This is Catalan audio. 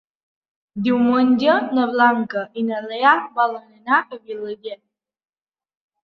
Diumenge na Blanca i na Lea volen anar a Vilaller.